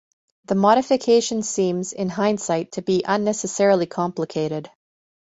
The modification seems, in hindsight, to be unnecessarily complicated.